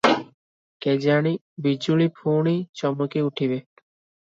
କେଜାଣି ବିଜୁଳି ପୁଣି ଚମକି ଉଠିବେ ।